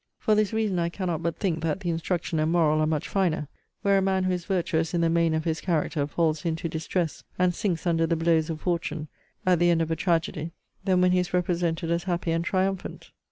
For this reason I cannot but think that the instruction and moral are much finer, where a man who is virtuous in the main of his character falls into distress, and sinks under the blows of fortune, at the end of a tragedy, than when he is represented as happy and triumphant.